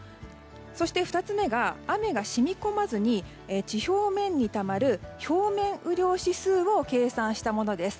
そして、２つ目が雨が染み込まずに地表面にたまる表面雨量指数を計算したものです。